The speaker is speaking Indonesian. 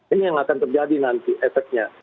ini yang akan terjadi nanti efeknya